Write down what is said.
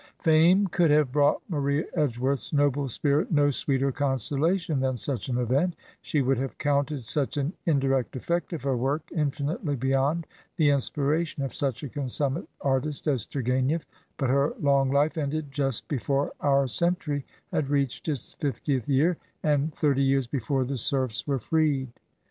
Fame cduld have brought Maria Edgeworth's noble spirit no sweeter consolation than such an event; she would have counted such an indirect effect of her work infinitely bejrond the inspiration of such a constmunate artist as Tourgu6nief , but her long Ufe ended just be fore our century had reached its fiftieth year, and thirty years before the serfs were freed.